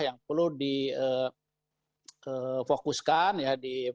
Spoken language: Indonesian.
yang perlu difokuskan ya